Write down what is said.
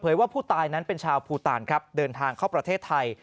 ว่าผู้ตายนั้นเป็นชาวภูตานครับเดินทางเข้าประเทศไทย